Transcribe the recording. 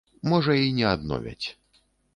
Можа і не адновяць.